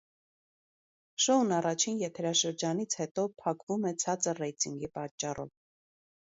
Շոուն առաջին եթերաշրջանից հետո փակվում է ցածր ռեյտինգի պատճառով։